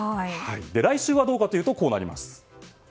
来週はどうかというとこうなります。